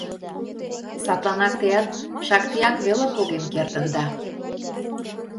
Садланак теат шактиак веле поген кертында.